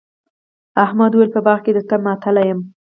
احمد وويل: په باغ کې درته ماتل یم.